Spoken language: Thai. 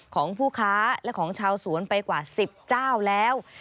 ของผู้ค้าและของชาวสวนไปกว่า๑๐เจ้าแล้ว